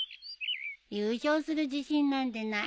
優勝する自信なんてないよ。